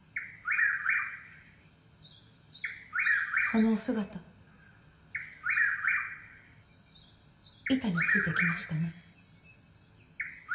そのお姿板についてきましたね。